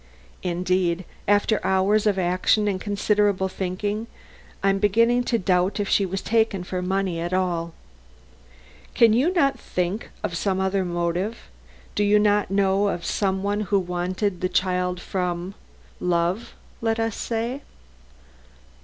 Indeed, after hours of action and considerable thinking, I am beginning to doubt if she was taken for money at all. Can you not think of some other motive? Do you not know of some one who wanted the child from love, let us say?"